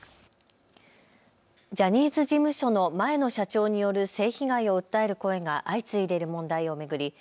ジャニーズ事務所の前の社長による性被害を訴える声が相次いでいる問題を巡り